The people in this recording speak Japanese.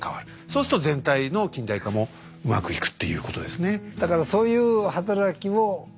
そうすると全体の近代化もうまくいくっていうことですね。